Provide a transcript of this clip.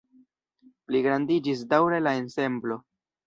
Pligrandiĝis daŭre la ensemblo.